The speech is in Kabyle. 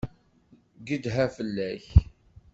Gedha fell-ak!